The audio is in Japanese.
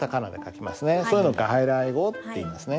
そういうの外来語っていいますね。